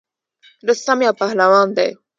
رستم یو پهلوان دی.